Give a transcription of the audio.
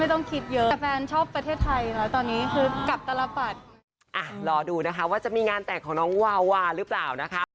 ไม่ต้องคิดเยอะแฟนชอบประเทศไทยแล้วตอนนี้กลับตลาดปัด